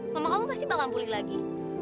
mama kamu pasti bakal bully lagi